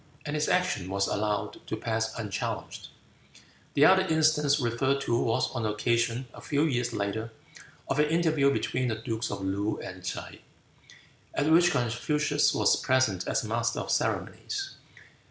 And his action was allowed to pass unchallenged. The other instance referred to was on the occasion, a few years later, of an interview between the dukes of Loo and T'se, at which Confucius was present as master of ceremonies.